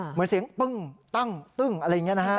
เหมือนเสียงปึ้งตั้งตึ้งอะไรอย่างนี้นะฮะ